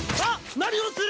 何をする！？